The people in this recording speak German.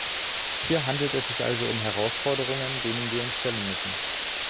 Hier handelt es sich also um Herausforderungen, denen wir uns stellen müssen.